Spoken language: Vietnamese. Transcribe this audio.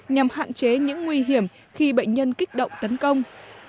nhằm hạn chế những nguy hiểm khi bệnh nhân kích động tấn công